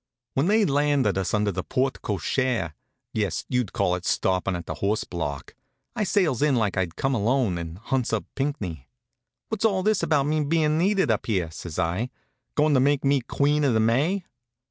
When they'd landed us under the porte cochere yes, you'd call it stoppin' at the horse block I sails in like I'd come alone, and hunts up Pinckney. "What's all this about me bein' needed up here?" says I. "Goin' to make me Queen of the May?"